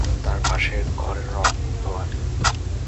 তার পাশের ঘরের রঙ ধোঁয়াটে।